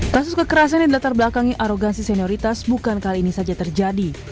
kasus kekerasan yang dilatar belakangi arogasi senioritas bukan kali ini saja terjadi